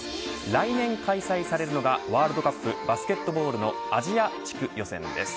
来年開催されるのがワールドカップバスケットボールのアジア地区です。